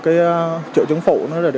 triệu chứng phụ